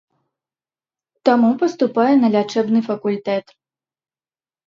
Таму паступае на лячэбны факультэт.